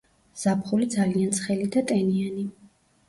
ზაფხული ძალიან ცხელი და ტენიანი.